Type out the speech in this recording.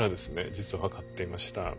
実は分かっていました。